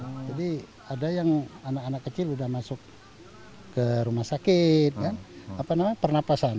jadi ada yang anak anak kecil sudah masuk ke rumah sakit pernapasan